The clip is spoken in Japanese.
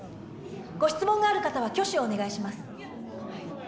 ご質問がある方は挙手をお願いします。